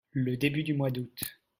Le début du mois d'août.